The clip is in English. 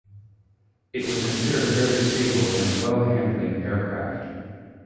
It was considered a very stable and well-handling aircraft.